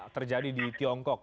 terjadi di tiongkok